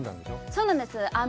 そうなんです。